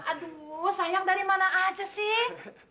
aduh sayang dari mana aja sih